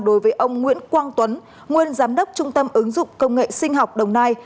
đối với ông nguyễn quang tuấn nguyên giám đốc trung tâm ứng dụng công nghệ sinh học đồng nai